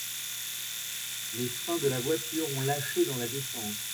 Les freins de la voiture ont lâché dans la descente